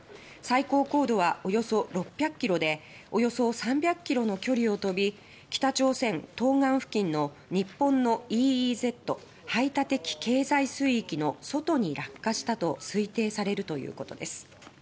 最高高度はおよそ６００ｋｍでおよそ３００ｋｍの距離を飛び北朝鮮東岸付近の日本のＥＥＺ・排他的経済水域の外に落下したと推定されるということです。